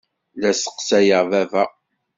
La sseqsayeɣ baba.